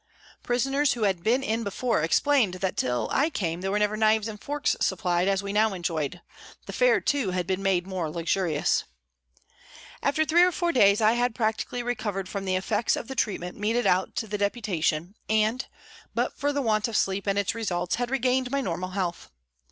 Prisoners who had been in before explained that until I came there were never knives SOME TYPES OF PRISONERS 123 and forks supplied as we now enjoyed, the fare, too, had been made more luxurious. After three or four days I had practically recovered from the effects of the treatment meted out to the Deputation, and, but for the want of sleep and its results, had regained my normal health.